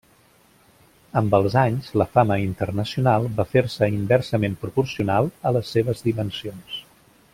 Amb els anys la fama internacional va fer-se inversament proporcional a les seves dimensions.